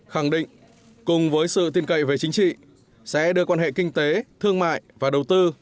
khẳng định cùng với sự tin cậy về chính trị sẽ đưa quan hệ kinh tế thương mại và đầu tư